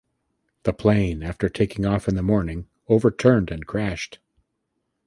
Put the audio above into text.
The plane after taking off in the morning overturned and crashed.